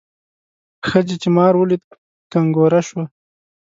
ښځې چې مار ولید کنګوره شوه.